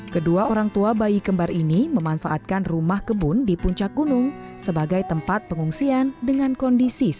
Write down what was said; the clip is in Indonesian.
kedua orang tua bayi kembar ini memanfaatkan rumah kebun di puncak gunung sebagai tempat pengungsian dengan kondisi sehat